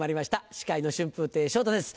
司会の春風亭昇太です。